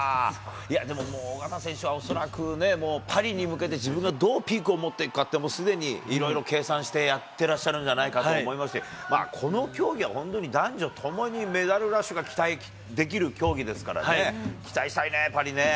でももう緒方選手はもう恐らくパリに向けて自分がどうピークを持っていくかって、すでにいろいろ計算してやってらっしゃるんじゃないかと思いますし、この競技は本当に男女ともにメダルラッシュが期待できる競技ですからね、期待したいね、パリね。